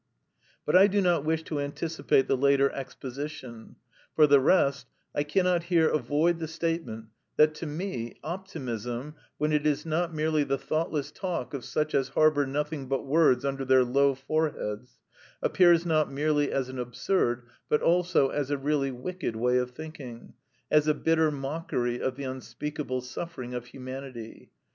But I do not wish to anticipate the later exposition. For the rest, I cannot here avoid the statement that, to me, optimism, when it is not merely the thoughtless talk of such as harbour nothing but words under their low foreheads, appears not merely as an absurd, but also as a really wicked way of thinking, as a bitter mockery of the unspeakable suffering of humanity.